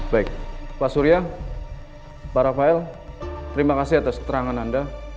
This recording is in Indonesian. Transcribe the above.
baik pak surya pak rafael terima kasih atas keterangan anda